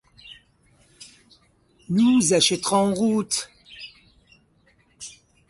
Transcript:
Nous achèterons en route.